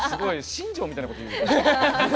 新庄みたいなこと言う。